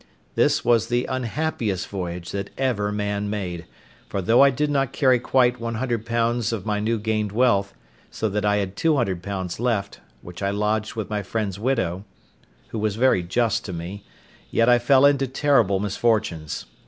This was the unhappiest voyage that ever man made; for though I did not carry quite £100 of my new gained wealth, so that I had £200 left, which I had lodged with my friend's widow, who was very just to me, yet I fell into terrible misfortunes.